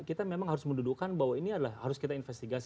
kita memang harus mendudukan bahwa ini adalah harus kita investigasi